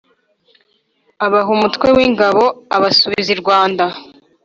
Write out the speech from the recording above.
abaha umutwe w’ingabo ubasubiza irwanda